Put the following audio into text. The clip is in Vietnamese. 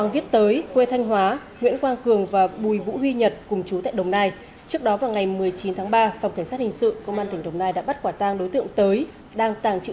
vào sáng ngày hai mươi bốn tháng ba tới đây hội đồng xét xử sẽ tuyên đoán